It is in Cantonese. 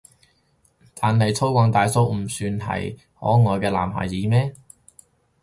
但係粗獷大叔唔算係可愛嘅男孩子咩？